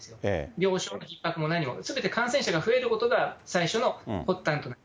病床ひっ迫も何も、すべて感染者が増えることが最初の発端となる。